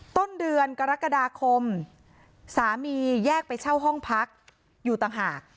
ต้นเดือนกรกฎาคมสามีแยกไปเช่าห้องพักอยู่ต่างหาก